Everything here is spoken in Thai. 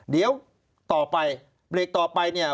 เดี๋ยวต่อไปเบรกต่อไปเนี่ย